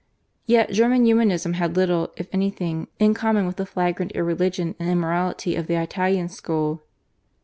Yet German Humanism had little, if anything, in common with the flagrant irreligion and immorality of the Italian school.